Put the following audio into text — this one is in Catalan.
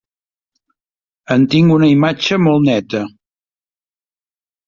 En tinc una imatge molt neta.